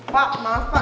pak maaf pak